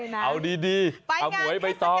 เอาดีเอาหมวยไปต้อง